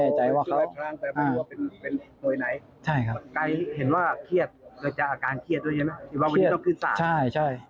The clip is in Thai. เกลียดตัวเองไหมเกลียดใช่ใช่